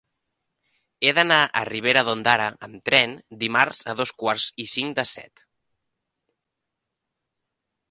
He d'anar a Ribera d'Ondara amb tren dimarts a dos quarts i cinc de set.